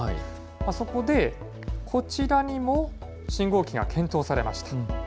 そこで、こちらにも信号機が検討されました。